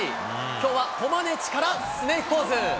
きょうはコマネチからスネークポーズ。